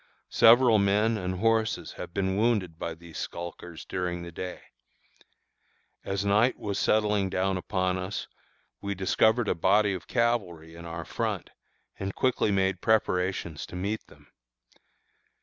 Several men and horses have been wounded by these skulkers during the day. As night was settling down upon us, we discovered a body of cavalry in our front, and quickly made preparations to meet them.